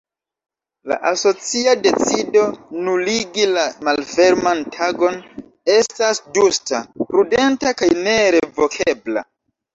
La asocia decido nuligi la Malferman Tagon estas ĝusta, prudenta kaj ne-revokebla.